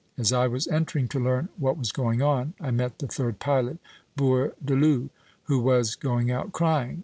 As I was entering to learn what was going on, I met the third pilot, Bourdaloue, who was going out crying.